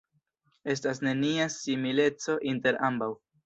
Estas nenia simileco inter ambaŭ.